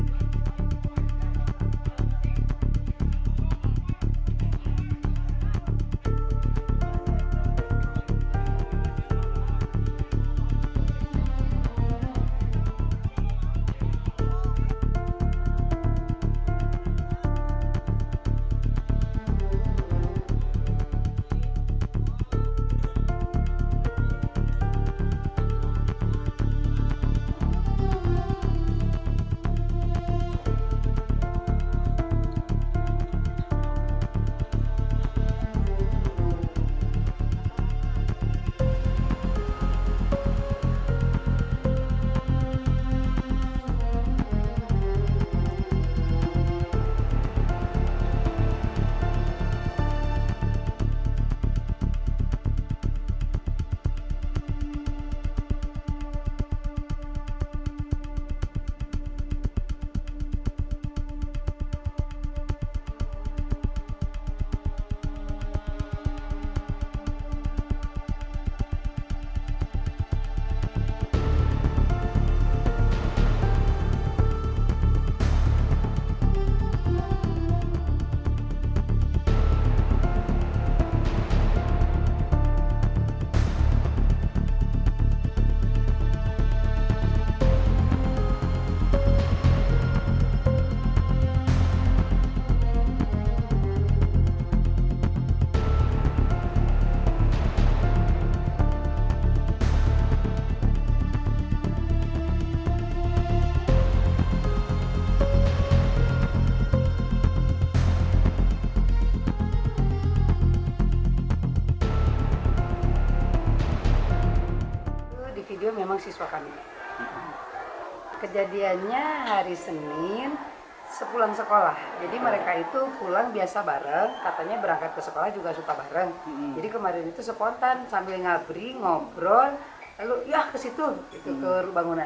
jangan lupa like share dan subscribe channel ini untuk dapat info terbaru